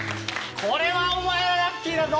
これはお前らラッキーだぞ。